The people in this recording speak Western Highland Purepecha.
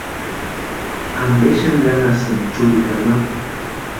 ¿Ampe xani kánhasïni churikwa anapu?